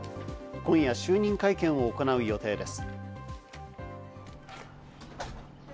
今夜、就任会見を行う予定です。